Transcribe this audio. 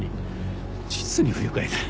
実に不愉快だ。